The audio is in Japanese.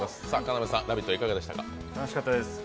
楽しかったです。